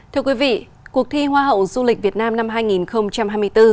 thưa quý vị cuộc thi hoa hậu du lịch việt nam năm hai nghìn hai mươi bốn